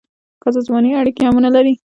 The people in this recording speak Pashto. که سازماني اړیکي هم ونه لري.